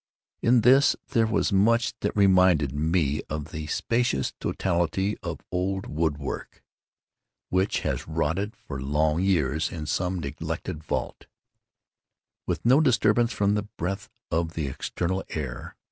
In this there was much that reminded me of the specious totality of old wood work which has rotted for long years in some neglected vault, with no disturbance from the breath of the external air.